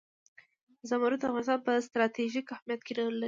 زمرد د افغانستان په ستراتیژیک اهمیت کې رول لري.